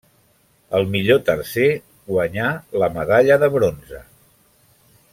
El millor tercer guanyà la medalla de bronze.